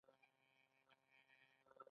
په دې وخت کې یې خسرو ته زهر ورکړل.